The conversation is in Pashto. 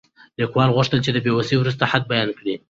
لیکوال غوښتل چې د بې وسۍ وروستی حد بیان کړي.